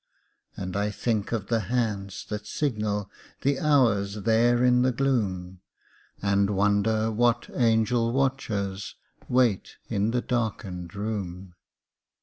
And I think of the hands that signal The hours there in the gloom, And wonder what angel watchers Wait in the darkened room.